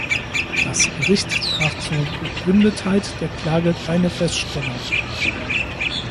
Das Gericht traf zur Begründetheit der Klage keine Feststellung.